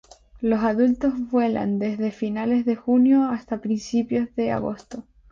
Los adultos vuelan desde finales de junio hasta principios de agosto.